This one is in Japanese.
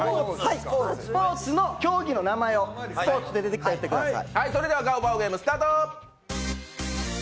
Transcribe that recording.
スポーツの競技の名前を、スポーツが出てきたら言ってくざたい。